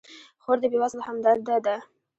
خور د بېوزلو همدرده ده.